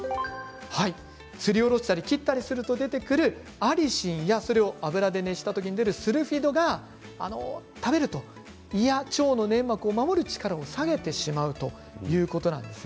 すりおろしたり切ったりすると出てくるアリシンやそれを油で熱すると出るスルフィドを食べると胃や腸の粘膜を守る力を下げてしまうということなんです。